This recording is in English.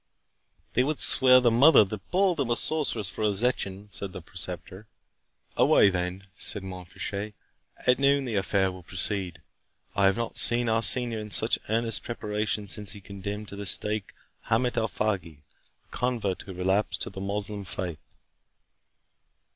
"They would swear the mother that bore them a sorceress for a zecchin," said the Preceptor. "Away, then," said Mont Fitchet; "at noon the affair will proceed. I have not seen our senior in such earnest preparation since he condemned to the stake Hamet Alfagi, a convert who relapsed to the Moslem faith."